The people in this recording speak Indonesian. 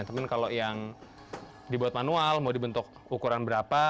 cuman kalau yang dibuat manual mau dibentuk ukuran berapa